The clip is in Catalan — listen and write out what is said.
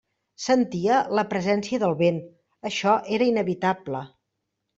Sentia la presència del vent, això era inevitable.